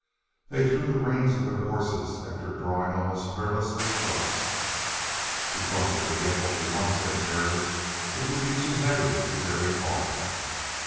They threw the reins of their horses after drawing almost perilously close. "Because if we get what we want," said Terry, "it will be too heavy to carry far."